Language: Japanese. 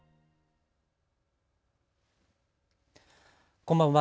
こんばんは。